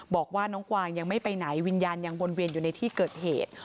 บอกว่าน้องกวางยังไม่ไปไหนวิญญาณยังวนเวียนอยู่ในที่เกิดเหตุ